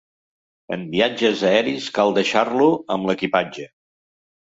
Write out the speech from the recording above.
En viatges aeris cal deixar-lo amb l'equipatge.